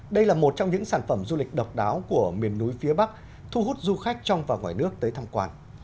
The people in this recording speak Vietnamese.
đây là một trong những sản phẩm du lịch độc đáo của miền núi phía bắc thu hút du khách trong và ngoài nước tới tham quan